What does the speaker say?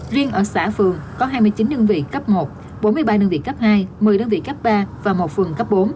riêng ở xã phường có hai mươi chín đơn vị cấp một bốn mươi ba đơn vị cấp hai một mươi đơn vị cấp ba và một phường cấp bốn